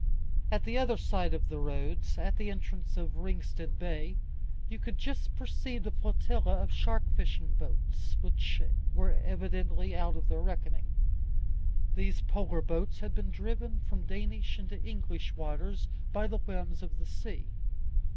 At the other side of the roads, at the entrance of Ringstead Bay, you could just perceive a flotilla of shark fishing boats, which were evidently out of their reckoning. These polar boats had been driven from Danish into English waters by the whims of the sea.